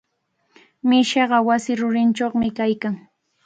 Mishiqa wasi rurinchawmi kaykan.